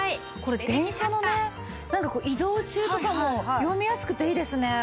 これ電車のねなんかこう移動中とかも読みやすくていいですね。